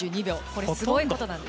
これ、すごいことなんです。